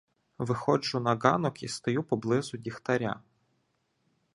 Виходжу на ґанок і стаю поблизу Дігтяра.